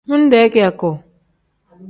Minde kiyaku.